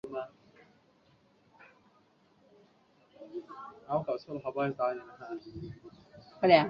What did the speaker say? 谢顿更发现久瑞南的头发是以人工培植的。